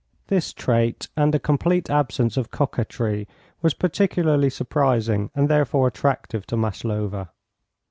This trait and a complete absence of coquetry was particularly surprising and therefore attractive to Maslova.